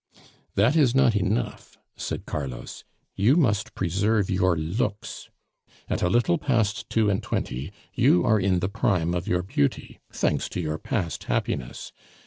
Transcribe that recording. "That is not enough," said Carlos; "you must preserve your looks. At a little past two and twenty you are in the prime of your beauty, thanks to your past happiness.